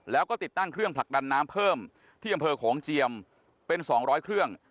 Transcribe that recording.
แล้วก็ติดตั้งเครื่องผลักดันน้ำเพิ่มที่อำเภอโขงเจียมเป็น๒๐๐เครื่อง